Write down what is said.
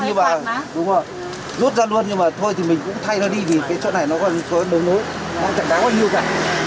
đối nối nó chẳng đáng bao nhiêu cả